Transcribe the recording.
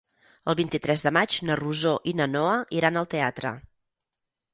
El vint-i-tres de maig na Rosó i na Noa iran al teatre.